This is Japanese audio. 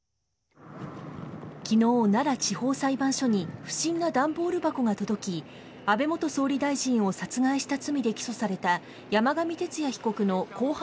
きのう、奈良地方裁判所に不審な段ボール箱が届き、安倍元総理大臣を殺害した罪で起訴された山上徹也被告の公判